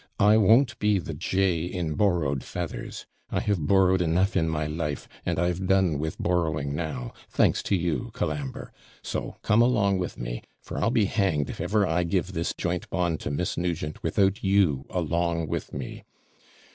I won't be the jay in borrowed feathers. I have borrowed enough in my life, and I've done with borrowing now, thanks to you, Colambre so come along with me; for I'll be hanged if ever I give this joint bond to Miss Nugent, without you along with me.